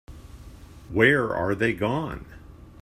Where are they gone?